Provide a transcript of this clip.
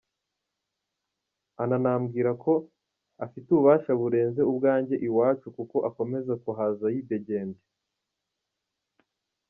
Ananambwira ko afite ububasha burenze ubwanjye iwacu kuko akomeza kuhaza yidegembya.